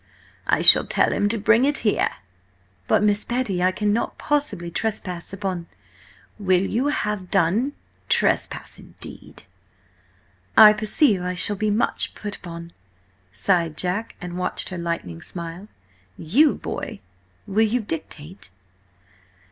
I shall tell him to bring it here." "But, Miss Betty, I cannot possibly trespass upon—" "Will you have done? Trespass indeed!" "I perceive I shall be much put upon," sighed Jack, and watched her lightning smile. "You BOY! Will you dictate?"